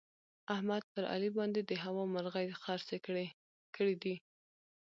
احمد پر علي باندې د هوا مرغۍ خرڅې کړې دي.